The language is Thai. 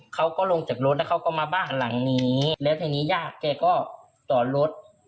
เขาก็ลงจากรถแล้วเขาก็มาบ้านหลังนี้แล้วทีนี้ญาติแกก็จอดรถ